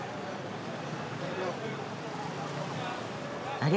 あれ？